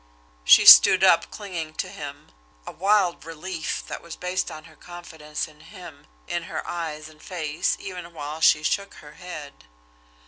She stood up, clinging to him; a wild relief, that was based on her confidence in him, in her eyes and face, even while she shook her head.